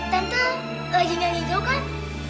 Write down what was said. tante lagi nyangin kau kan